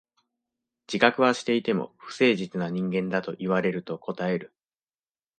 自覚はしていても、不誠実な人間だと言われると応える。